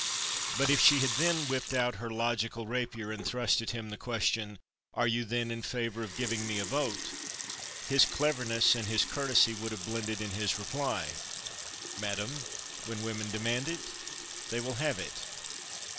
But if she had then whipped out her logical rapier and thrust at him the question, "Are you, then, in favor of giving me a vote?" his cleverness and his courtesy would have blended in his reply, "Madam, when women demand it, they will have it."